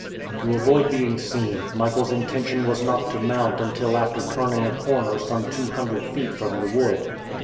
To avoid being seen, Michael's intention was not to mount until after turning a corner some two hundred feet from the wood.